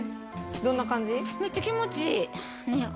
どんな感じ？